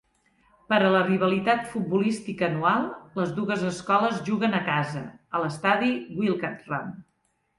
Per a la rivalitat futbolística anual, les dues escoles juguen "a casa" a l'estadi Wildcat-Ram.